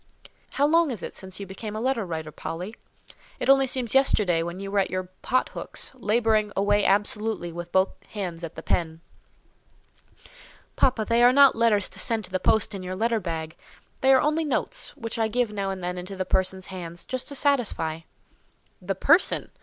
"How long is it since you became a letter writer, Polly? It only seems yesterday when you were at your pot hooks, labouring away absolutely with both hands at the pen." "Papa, they are not letters to send to the post in your letter bag; they are only notes, which I give now and then into the person's hands, just to satisfy." "The person!